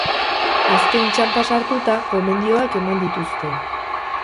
Azken txanpan sartuta, gomendioak eman dituzte.